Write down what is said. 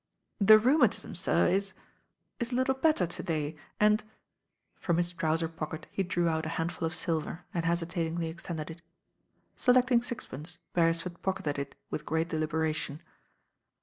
"The rheumatism, sir, is — is a little better to day, and " From his trouser pocket he drew out a handful of silver and hesitatingly extended it. Selecting sixpence Beresford pocketed it with great deliberation.